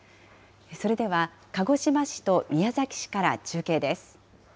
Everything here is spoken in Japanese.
それでは、鹿児島市と宮崎市から中継です。